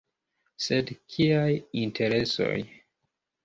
Sed kiaj interesoj?